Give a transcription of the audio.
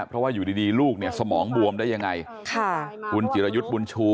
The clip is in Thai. เพราะว่าอยู่ดีดีลูกเนี่ยสมองบวมได้ยังไงค่ะคุณจิรยุทธ์บุญชู